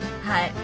はい。